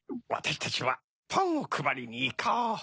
わたしたちはパンをくばりにいこう。